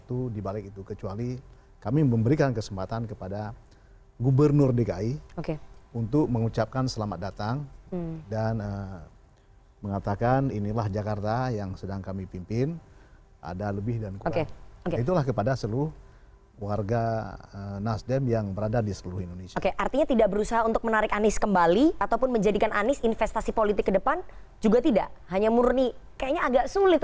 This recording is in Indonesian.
untuk bisa ke nasional sudah fokus